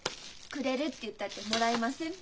「くれる」って言ったってもらいません。